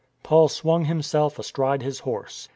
Paul swung himself astride his horse.